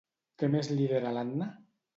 Què més lidera l'Anna?